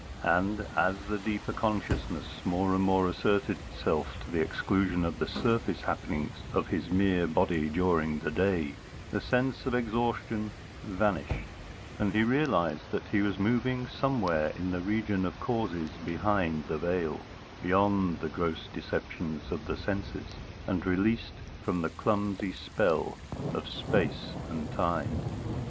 And, as the deeper consciousness more and more asserted itself to the exclusion of the surface happenings of his mere body during the day, the sense of exhaustion vanished, and he realised that he was moving somewhere in the region of causes behind the veil, beyond the gross deceptions of the senses, and released from the clumsy spell of space and time.